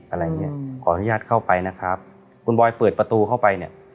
อะไรอย่างเงี้ยขออนุญาตเข้าไปนะครับคุณบอยเปิดประตูเข้าไปเนี่ย